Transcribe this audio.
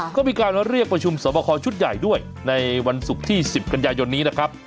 ก็มีการเรียกประชุมสอบคอชุดใหญ่ด้วยในวันศุกร์ที่๑๐กันยายนนี้นะครับ